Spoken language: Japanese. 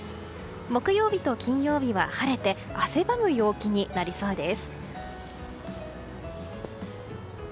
木曜日と金曜日は晴れて汗ばむ陽気になりそうです。